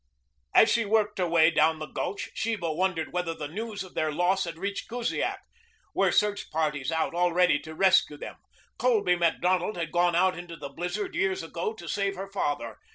As she worked her way down the gulch Sheba wondered whether the news of their loss had reached Kusiak. Were search parties out already to rescue them? Colby Macdonald had gone out into the blizzard years ago to save her father.